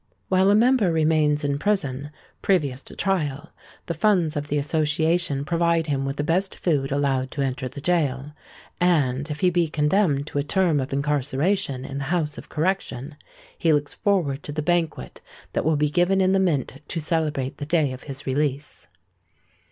While a member remains in prison previous to trial, the funds of the association provide him with the best food allowed to enter the gaol; and, if he be condemned to a term of incarceration in the House of Correction, he looks forward to the banquet that will be given in the Mint to celebrate the day of his release.